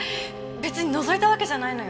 別に覗いたわけじゃないのよ。